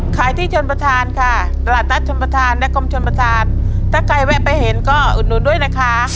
ที่ชนประธานค่ะตลาดนัดชมประธานและกรมชนประธานถ้าใครแวะไปเห็นก็อุดหนุนด้วยนะคะ